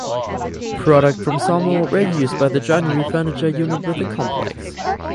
Product from the sawmill were used by the joinery furniture unit within the complex.